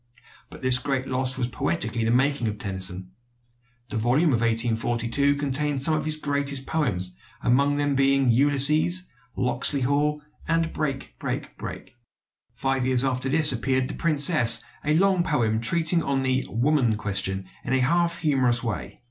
But this great loss was poetically the making of Tennyson. The volume of 1842 contained some of his greatest poems, among them being "Ulysses," "Locksley Hall," and "Break, Break, Break." Five years after this appeared "The Princess," a long poem treating of the "woman question" in a half humorous way.